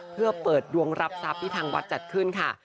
เพื่อเปิดดวงรับทรัพย์ที่ทางวัดจัดขึ้นค่ะ